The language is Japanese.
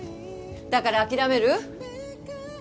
だから諦める？